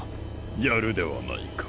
やるではないか。